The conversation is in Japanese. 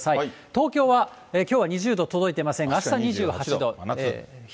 東京はきょうは２０度届いてませんが、あした２８度。